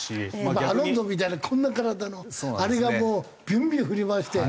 アロンソみたいなこんな体のあれがもうビュンビュン振り回して。